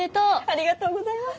ありがとうございます！